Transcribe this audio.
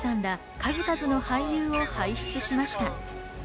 数々の俳優を輩出しました。